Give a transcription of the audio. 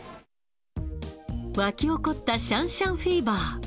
沸き起こったシャンシャンフィーバー。